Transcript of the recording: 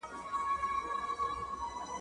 لا د لښتو بارانونه وي درباندي ,